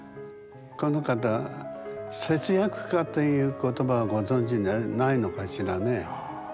この方節約家という言葉はご存じないのかしらね。